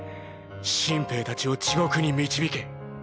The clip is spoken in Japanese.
新兵たちを地獄に導け。